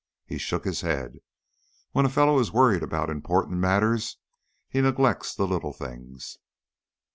He shook his head. "When a fellow is worried about important matters, he neglects the little things."